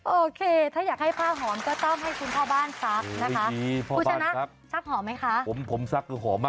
โอเคถ้าอยากให้ผ้าหอมก็ต้องให้คุณพ่อบ้านซักนะคะซักหอมไหมคะ